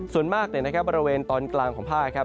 ส่วนมากบริเวณตอนกลางของภาคครับ